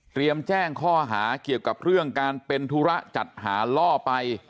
แจ้งข้อหาเกี่ยวกับเรื่องการเป็นธุระจัดหาล่อไป